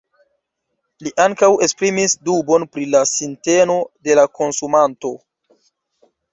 Li ankaŭ esprimis dubon pri la sinteno de la konsumanto.